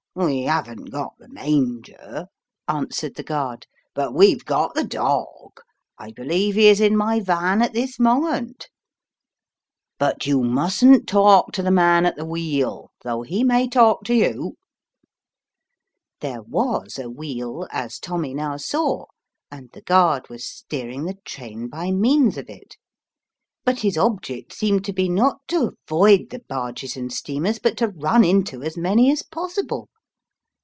" We haven't got the manger/' answered the guard, " but weVe got the dog ; I believe he is in my van at this moment. But you mustn't talk to the man c 1 8 The train is made to jog the ships, at the wheel, though he may talk to you." There was a wheel, as Tommy now saw, and the guard was steering the train by means of it, but his object seemed to be not to avoid the barges and steamers but to run into as many as possible.